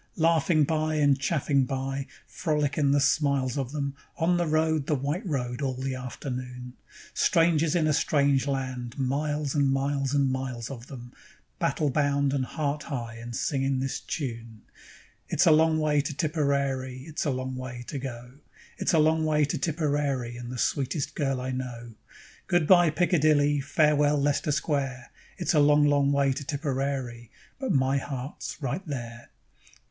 Laughing by and chaffing by, frolic in the smiles of them, On the road, the white road, all the afternoon; Strangers in a strange land, miles and miles and miles of them, Battle bound and heart high, and singing this tune: _It's a long way to Tipperary, It's a long way to go; It's a long way to Tipperary, And the sweetest girl I know. Good bye, Piccadilly, Farewell, Lester Square: It's a long, long way to Tipperary, But my heart's right there.